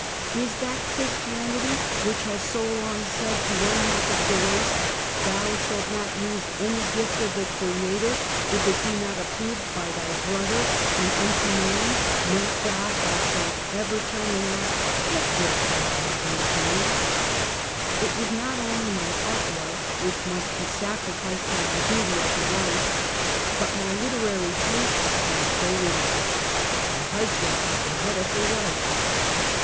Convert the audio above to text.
Is that Christianity which has so long said to one half of the race, " Thou shalt not use any gift of the 4 60 Half a Century. Creator, if it be not approved by thy brother; and un to man, not God, thou shalt ever turn and ask, ' What wilt thou have me to do ?'" It was not only my art love which must be sacri ficed to my duty as a wife, but my literary tastes must go with it. " The husband is the head of the wife."